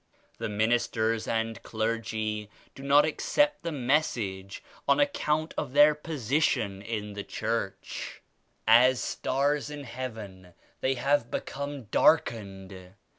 The ministers and clergy do not accept the Message on account of their posi tion in the Church. As stars in heaven they have become darkened.